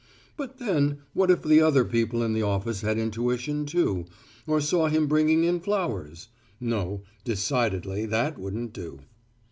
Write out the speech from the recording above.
But then, what if the other people in the office had intuition, too, or saw him bringing in flowers! No, decidedly that wouldn't do.